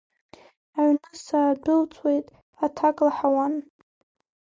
Аҩны саадәылҵуеит, аҭак лаҳауан.